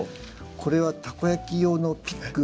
これはたこ焼き用のピックですね。